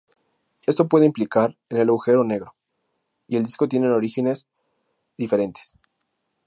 Esto puede implicar que el agujero negro y el disco tienen orígenes diferentes.